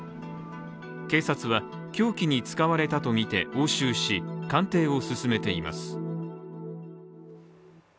警察は、凶器に使われたとみて押収し鑑定を進めています。